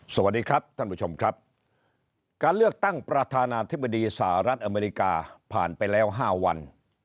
สวัสดีครับท่านผู้ชมครับการเลือกตั้งประธานาธิบดีสหรัฐอเมริกาผ่านไปแล้ว๕วัน